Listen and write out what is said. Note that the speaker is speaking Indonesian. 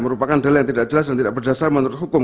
merupakan dalil yang tidak jelas dan tidak berdasar menurut hukum